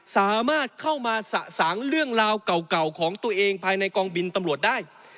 สามารถเข้ามาสะสางเรื่องราวเก่าของตัวเองภายในกองบินตำรวจได้